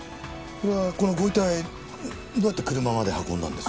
それはこのご遺体どうやって車まで運んだんです？